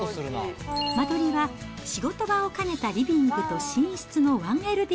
間取りは、仕事場を兼ねたリビングと寝室の１ＬＤＫ。